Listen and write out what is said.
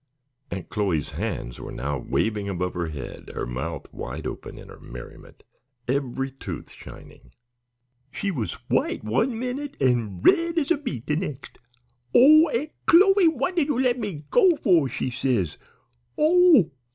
Aunt Chloe's hands were now waving above her head, her mouth wide open in her merriment, every tooth shining. "She was white one minute an' red as a beet the nex'. 'Oh, Aunt Chloe, what did you let me go for?' she says. 'Oh!